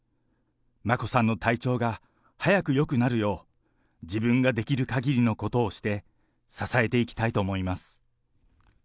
眞子さんの体調が早くよくなるよう、自分ができるかぎりのことをして支えていきたいと思います。